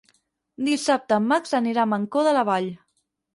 Dissabte en Max anirà a Mancor de la Vall.